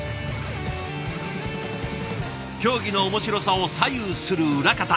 競技の面白さを左右する裏方